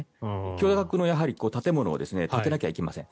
巨額の建物を建てなきゃいけません。